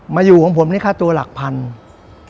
มาอยู่ของผมนี่ค่าตัวหลักพัน